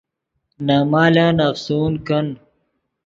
نے مالن افسون کن